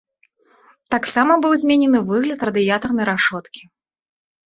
Таксама быў зменены выгляд радыятарнай рашоткі.